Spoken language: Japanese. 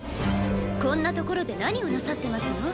こんな所で何をなさってますの？